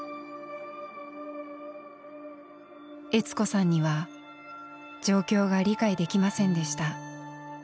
悦子さんには状況が理解できませんでした。